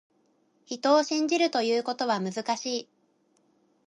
人を信じるということは、難しい。